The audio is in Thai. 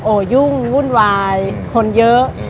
ยุ่งวุ่นวายคนเยอะ